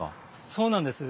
そうなんです。